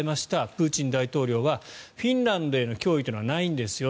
プーチン大統領はフィンランドへの脅威というのはないですよ